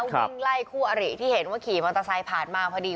วิ่งไล่คู่อริที่เห็นว่าขี่มอเตอร์ไซค์ผ่านมาพอดี